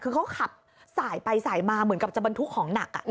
คือเขาขับสายไปสายมาเหมือนกับจะบรรทุกของหนัก